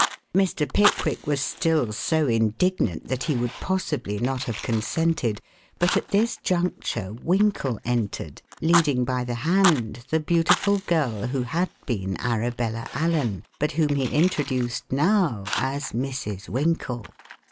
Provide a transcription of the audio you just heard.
Mr. Pickwick was still so indignant that he would possibly not have consented, but at this juncture Winkle entered, leading by the hand the beautiful girl who had been Arabella Allen, but whom he introduced now as Mrs. Winkle.